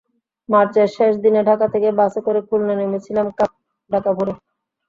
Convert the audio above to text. মার্চের শেষ দিনে ঢাকা থেকে বাসে করে খুলনা নেমেছিলাম কাকডাকা ভোরে।